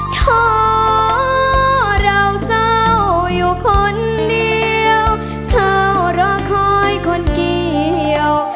ขอเราเศร้าอยู่คนเดียวเธอรอคอยคนเกี่ยว